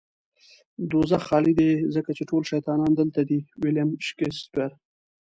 دوزخ خالی دی ځکه چې ټول شيطانان دلته دي. ويلييم شکسپير